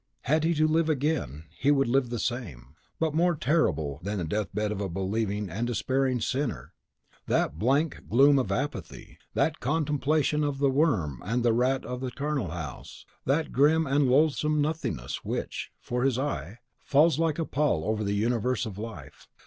Had he to live again, he would live the same. But more terrible than the death bed of a believing and despairing sinner that blank gloom of apathy, that contemplation of the worm and the rat of the charnel house; that grim and loathsome NOTHINGNESS which, for his eye, falls like a pall over the universe of life.